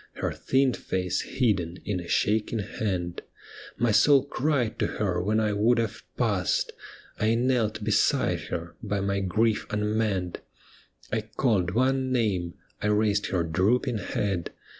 Her thin face hidden in a shaking hand ; My soul cried to her when I would have passed, I knelt beside her, by my grief unmanned. I called one name, I raised her drooping head.